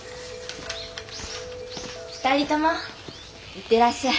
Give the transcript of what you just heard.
２人とも行ってらっしゃい。